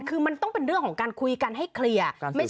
คือมันต้องเป็นเรื่องของการคุยกันให้เคลียร์